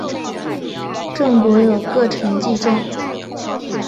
郑国有名臣祭仲。